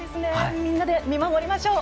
みんなで見守りましょう。